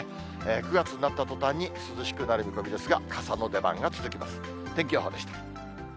９月になったとたんに涼しくなる見込みですが、傘の出番が続きます。